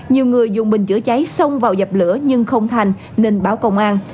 nhiều người dùng bình chữa cháy xông vào dập lửa nhưng không thành nên báo công an